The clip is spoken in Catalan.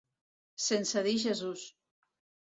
Sense dir Jesús.